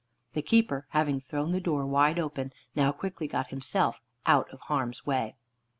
The keeper, having thrown the door wide open, now quickly got himself out of harm's way.